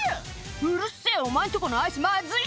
「うるせぇお前んとこのアイスまずいんだよ！」